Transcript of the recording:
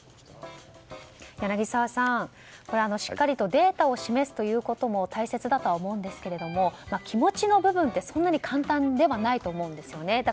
柳澤さん、これしっかりとデータを示すということも大切だとは思うんですが気持ちの部分ってそんなに簡単ではないと思うんですよね。